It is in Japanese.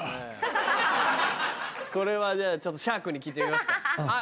これはじゃあシャークに聞いてみますか。